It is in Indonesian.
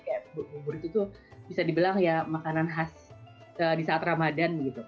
jadi bubur itu bisa dibilang makanan khas di saat ramadan